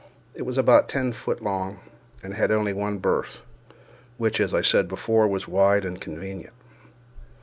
It was about ten feet long, and had only one berth, which, as I said before, was wide and convenient.